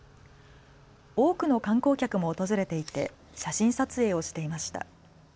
多くの観光客も訪れていて写真撮影をしていました。